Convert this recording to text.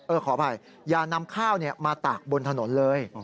ขออภัยอย่านำข้าวมาตากบนถนนเลย